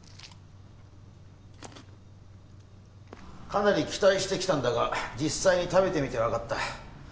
かなり期待してきたんだが実際に食べてみてわかった。